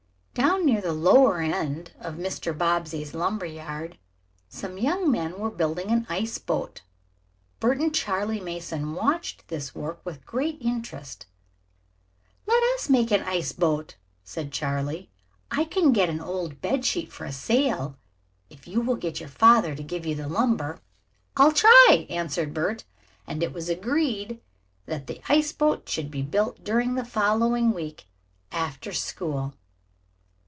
Down near the lower end of Mr. Bobbsey's lumber yard some young men were building an ice boat. Bert and Charley Mason watched this work with interest. "Let us make an ice boat," said Charley. "I can get an old bed sheet for a sail, if you will get your father to give you the lumber." "I'll try," answered Bert, and it was agreed that the ice boat should be built during the following week, after school.